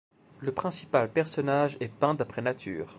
Le principal personnage est peint d’après nature.